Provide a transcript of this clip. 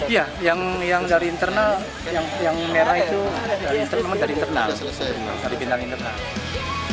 iya yang dari internal yang merah itu dari internal